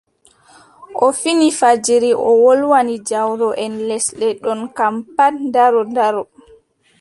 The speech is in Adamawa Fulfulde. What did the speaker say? O fini fajiri, o wolwani jawroʼen lesle ɗo kam pat ndaro ndaro.